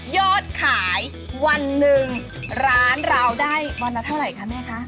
ยอดขายวันหนึ่งร้านเราได้วันละเท่าไหร่คะแม่คะ